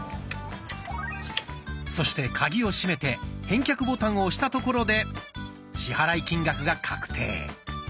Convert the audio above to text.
そしてカギを閉めて返却ボタンを押したところで支払い金額が確定。